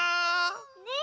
ねえ。